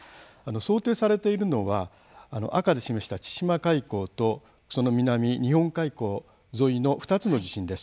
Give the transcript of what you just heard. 想定されているのは赤で示した千島海溝とその南、日本海溝沿いの２つの地震です。